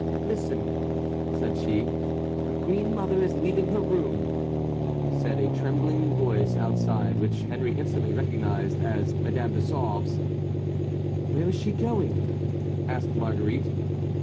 "Listen," said she. "The queen mother is leaving her room," said a trembling voice outside, which Henry instantly recognized as Madame de Sauve's. "Where is she going?" asked Marguerite.